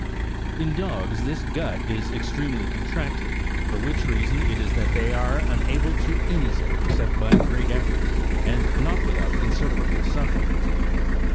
91 In dogs this gut is extremely contracted, for which reason it is that they are unable to ease it, except by great efforts, and not without considerable suffering.